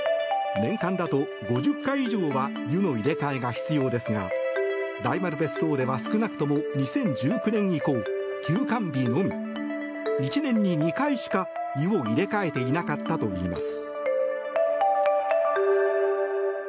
年間だと５０回以上は湯の入れ替えが必要ですが大丸別荘では少なくとも２０１９年以降休館日のみ、１年に２回しか湯を入れ替えていなかったといいます。